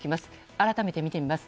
改めてみてみます。